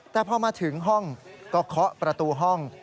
แต่พอมาถึงห้องก็เคาะประตูห้อง